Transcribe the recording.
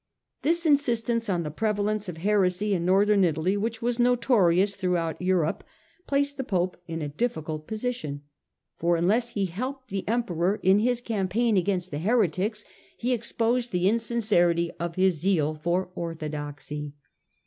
This insistence on the prevalence of heresy in Northern Italy, which was notorious throughout Europe, placed the Pope in a difficult position, for unless he helped the 144 STUPOR MUNDI Emperor in his campaign against the heretics, he exposed the insincerity of his zeal for orthodoxy.